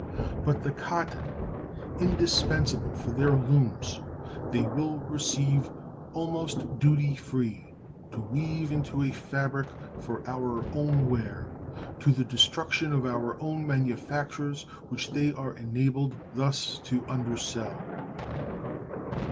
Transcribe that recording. But the cotton, indispensable for their looms, they will receive almost duty free to weave it into a fabric for our own wear, to the destruction of our own manufactures, which they are enabled thus to under sell.